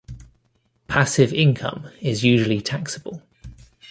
Passive income is usually taxable.